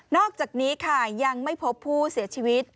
อกจากนี้ค่ะยังไม่พบผู้เสียชีวิต